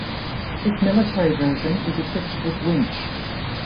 This military version is equipped with winch.